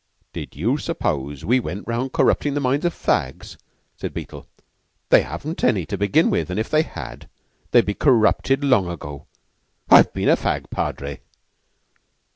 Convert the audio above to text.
"Did you suppose we went round corruptin' the minds of the fags?" said Beetle. "They haven't any, to begin with; and if they had, they're corrupted long ago. I've been a fag, Padre."